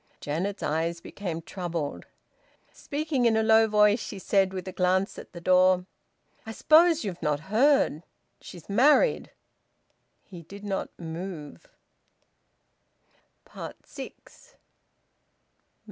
Janet's eyes became troubled. Speaking in a low voice she said, with a glance at the door "I suppose you've not heard. She's married." He did not move. SIX.